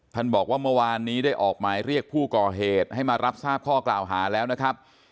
บอกว่าเมื่อวานนี้ได้ออกหมายเรียกผู้ก่อเหตุให้มารับทราบข้อกล่าวหาแล้วนะครับ